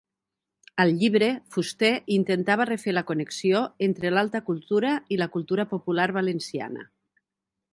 Al llibre, Fuster intentava refer la connexió entre l'alta cultura i la cultura popular valenciana.